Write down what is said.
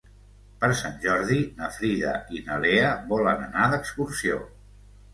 Per Sant Jordi na Frida i na Lea volen anar d'excursió.